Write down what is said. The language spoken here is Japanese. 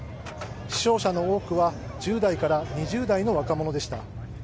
死傷者の多くは１０代から２０代の若者でした。